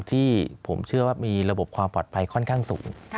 ที่ผมเชื่อว่ามีระบบความปลอดภัยค่อนข้างสูง